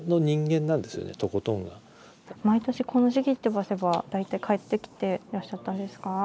毎年この時期ってばせば大体帰ってきてらっしゃったんですか？